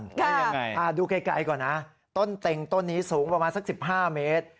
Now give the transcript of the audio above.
ยังไงดูไกลก่อนนะต้นเต็งต้นนี้สูงประมาณสัก๑๕เมตร